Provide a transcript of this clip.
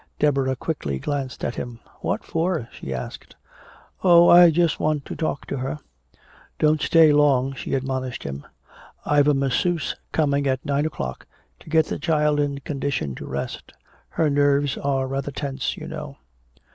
Deborah quickly glanced at him. "What for?" she asked. "Oh, I just want to talk to her " "Don't stay long," she admonished him. "I've a masseuse coming at nine o'clock to get the child in condition to rest. Her nerves are rather tense, you know."